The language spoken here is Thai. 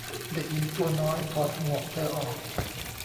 เด็กหญิงตัวน้อย ถอดหมวกเธอออก